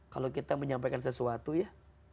kalau kita menyampaikan sesuatu ya